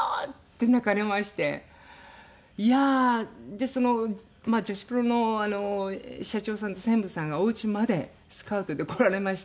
でその女子プロの社長さんと専務さんがおうちまでスカウトで来られまして。